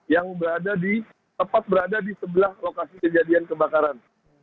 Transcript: yang tepat berada di sebelah lokasi kejadian kebakaran